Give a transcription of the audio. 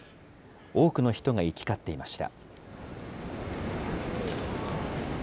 多くの人が行き交っていました。